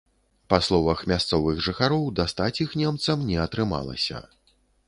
Па словах мясцовых жыхароў, дастаць іх немцам не атрымалася.